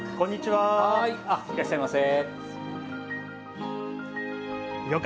はいいらっしゃいませ。